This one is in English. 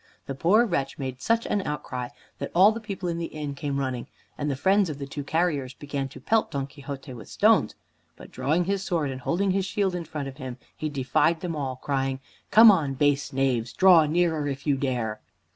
The poor wretch made such an outcry that all the people in the inn came running, and the friends of the two carriers began to pelt Don Quixote with stones. But drawing his sword, and holding his shield in front of him, he defied them all, crying, "Come on, base knaves! Draw nearer if you dare!"